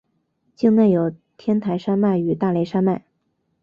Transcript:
境内有天台山脉与大雷山脉。